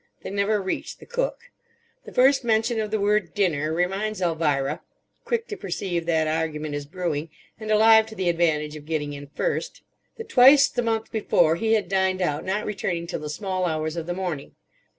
They never reach the cook. The first mention of the word "dinner" reminds Elvira (quick to perceive that argument is brewing, and alive to the advantage of getting in first) that twice the month before he had dined out, not returning till the small hours of the morning.